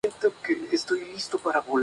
Su motor estándar es el mítico Unreal.